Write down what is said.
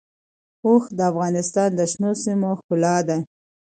اوښ د افغانستان د شنو سیمو ښکلا ده.